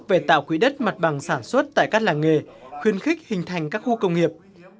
về tạo quỹ đất mặt bằng sản xuất tại các làng nghề khuyên khích hình thành các khu công nghiệp